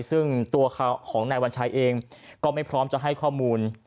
ซึ่งตัวของนายวัญชัยเองก็ไม่พร้อมจะให้ข้อมูล